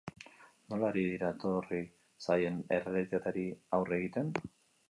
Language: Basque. Nola ari dira etorri zaien errealitateari aurre egiten?